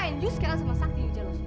and you sekarang sama sakti you jealous